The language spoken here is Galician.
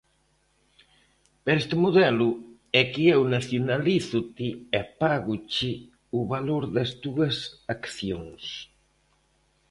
Pero este modelo é que eu nacionalízote e págoche o valor das túas accións.